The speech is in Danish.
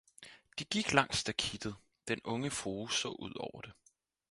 de gik langs stakittet, den unge frue så ud over det.